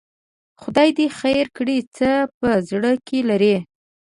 خدای دې خیر کړي، څه په زړه کې لري؟